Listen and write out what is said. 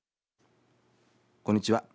こんにちは。